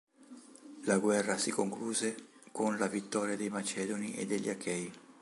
La guerra si concluse con la vittoria dei Macedoni e degli Achei.